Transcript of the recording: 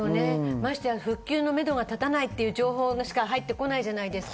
まして復旧のめどが立たないという情報しか入ってこないじゃないですか。